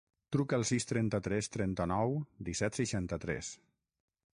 Truca al sis, trenta-tres, trenta-nou, disset, seixanta-tres.